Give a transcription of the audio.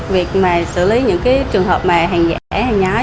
việc mà xử lý những cái trường hợp mà hàng giả hàng nhái